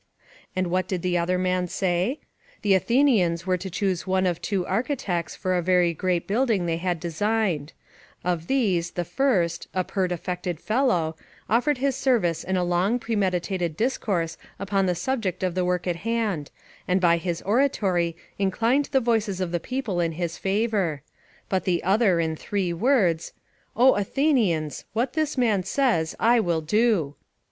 And what did the other man say? The Athenians were to choose one of two architects for a very great building they had designed; of these, the first, a pert affected fellow, offered his service in a long premeditated discourse upon the subject of the work in hand, and by his oratory inclined the voices of the people in his favour; but the other in three words: "O Athenians, what this man says, I will do."